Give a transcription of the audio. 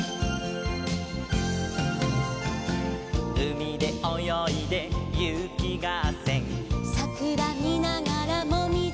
「うみでおよいでゆきがっせん」「さくらみながらもみじがり」